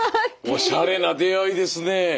おしゃれな出会いですね。